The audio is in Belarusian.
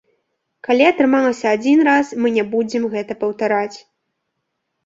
Калі атрымалася адзін раз, мы не будзем гэта паўтараць.